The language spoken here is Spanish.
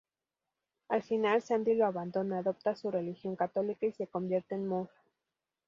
Al final, Sandy lo abandona, adopta su religión católica, y se convierte en monja.